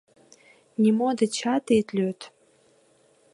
Нимо дечат ит лÿд.